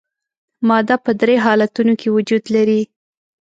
ماده په درې حالتونو کې وجود لري.